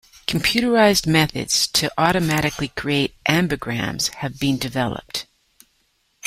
Computerized methods to automatically create ambigrams have been developed.